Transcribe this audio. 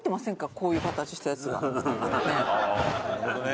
こういう形したやつが。ねえ。